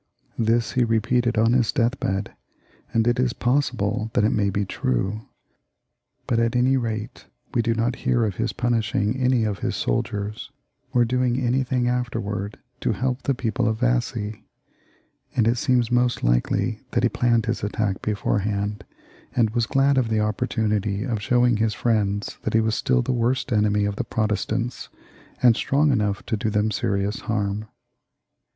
This he repeated on his death bed, and it is possible that it may be true. But at any rate we do not hear of his pun ishing any of his soldiers, or doing anything afterwards to help the people of Vassy ; and it seems most likely that he planned this attack beforehand, and was glad of the opportxmity of showing his friends that he was stiU the worst enemy of the Protestants, and strong enough to do them serious harm.